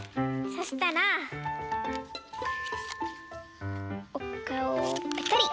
そしたらおかおをぺたり。